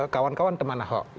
kawan kawan teman ahok